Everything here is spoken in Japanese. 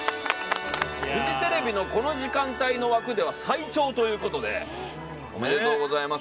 フジテレビのこの時間帯の枠では最長ということでおめでとうございます。